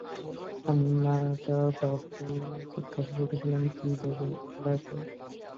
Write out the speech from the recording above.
অন্নদাবাবু জিজ্ঞাসা করিলেন, কী যোগেন, একলা যে?